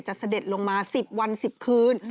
เสด็จลงมา๑๐วัน๑๐คืน